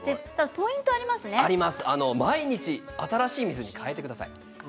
ポイントは毎日新しい水に替えてください。